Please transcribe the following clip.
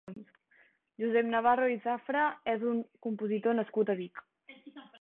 Josep Navarro i Zafra és un compositor nascut a Vic.